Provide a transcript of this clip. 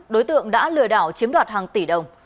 đối tượng đã lừa đảo chiếm đoạt hàng tỷ đồng